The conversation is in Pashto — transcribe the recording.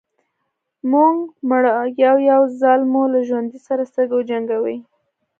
موږ مړه يو يو ځل مو له ژوند سره سترګې وجنګوئ.